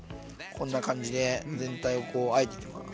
こんな感じで全体をこうあえていきます。